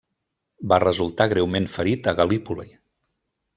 Va resultar greument ferit a Gal·lípoli.